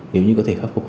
nếu như có thể khắc phục